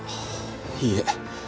いいえ。